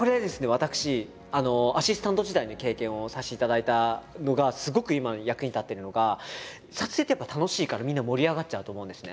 私アシスタント時代の経験をさせていただいたのがすごく今役に立ってるのが撮影ってやっぱ楽しいからみんな盛り上がっちゃうと思うんですね。